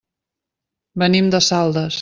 Venim de Saldes.